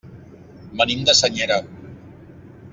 Venim de Senyera.